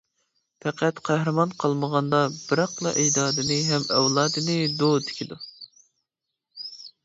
پەقەت قەھرىمان قالمىغاندا، بىراقلا ئەجدادىنى ھەم ئەۋلادىنى دو تىكىدۇ.